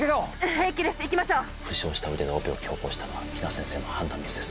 平気ですいきましょう負傷した腕でオペを強行したのは比奈先生の判断ミスです